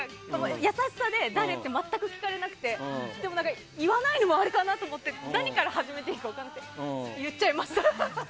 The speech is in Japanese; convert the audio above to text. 優しさで誰？って全く聞かれなくて言わないのもあれかなと思って何から始めていいか分からなくて言っちゃいました。